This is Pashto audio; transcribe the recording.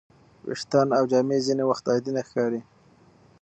ویښتان او جامې ځینې وخت عادي نه ښکاري.